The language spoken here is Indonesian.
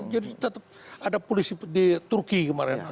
jadi tetap ada polisi di turki kemarin